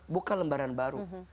buka lembaran baru